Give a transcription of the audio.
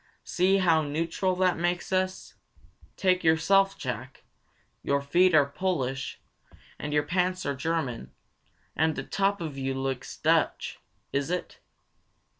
See how neutral that makes us! Take yourself, Jack. Your feet are Polish, and your pants are German, and the top of you looks Dutch. Is it?"